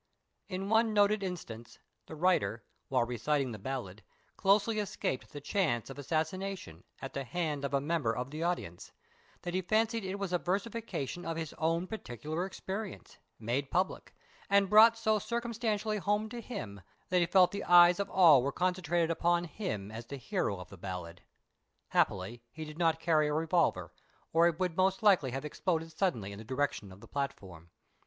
In one noted instance, the writer while reciting the ballad, closely escaped the chance of assassination, at the hand of a member of the audience, that he fancied it was a versification of his own particular experience, made public, and brought so circumstantially home to him, that he felt the eyes of all were concentrated upon him as the hero of the ballad. Happily he did not carry a revolver, or it would most likely have exploded suddenly in the direction of the platform.